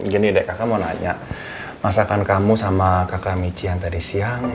gini deh kakak mau nanya masakan kamu sama kakak michi yang tadi siang masih ada nggak sih